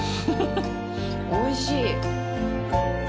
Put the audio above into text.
おいしい。